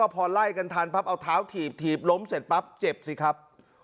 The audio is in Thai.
พอไล่กันธันเอาเท้าถี่บล้มเสร็จเจ็บ